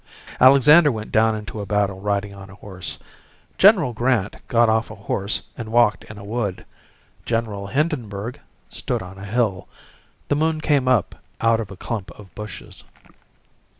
Alexander went down into a battle riding on a horse. General Grant got off a horse and walked in a wood. General Hindenburg stood on a hill. The moon came up out of a clump of bushes.